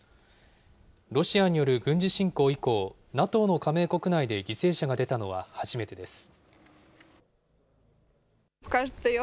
ロシアによる軍事侵攻以降、ＮＡＴＯの加盟国内で犠牲者が出たのは初めてです。